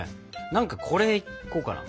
何かこれいこうかな。